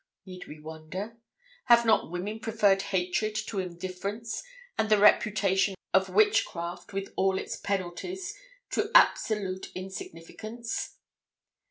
Need we wonder? Have not women preferred hatred to indifference, and the reputation of witchcraft, with all its penalties, to absolute insignificance?